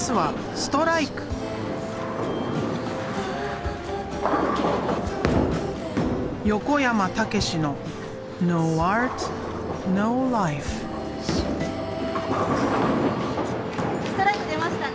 ストライク出ましたね。